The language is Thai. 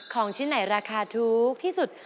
ของชิ้นไหนราคาถูกที่สุด